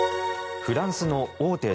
フランスの大手